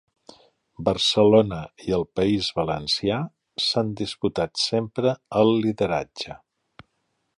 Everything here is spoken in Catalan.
Barcelona i el país Valencià s'han disputat sempre el lideratge.